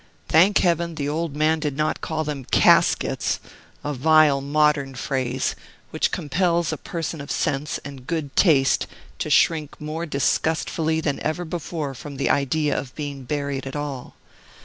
Thank Heaven, the old man did not call them "CASKETS"! a vile modern phrase, which compels a person of sense and good taste to shrink more disgustfully than ever before from the idea of being buried at all.